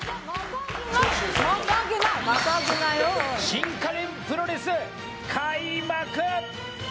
新家電プロレス、開幕！